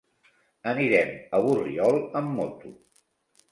Anirem a Borriol amb moto.